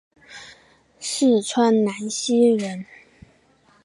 四川南溪人。